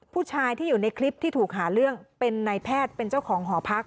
ผู้ชายที่อยู่ในคลิปที่ถูกหาเรื่องเป็นนายแพทย์เป็นเจ้าของหอพัก